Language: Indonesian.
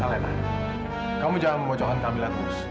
alena kamu jangan memocokkan kamilah terus